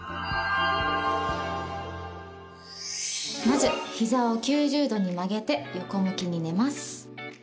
まず膝を９０度に曲げて横向きに寝ます。